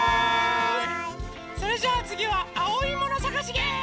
それじゃあつぎはあおいものさがしゲーム！